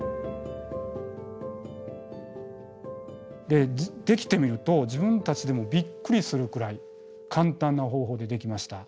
でできてみると自分たちでもびっくりするくらい簡単な方法でできました。